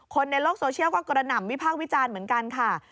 คนในโลกโซเชียลก็กระหน่ำวิพากษ์วิจารณ์เหมือนกันค่ะ